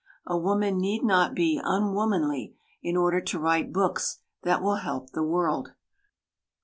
A woman need not be unwomanly in order to write books that will help the world.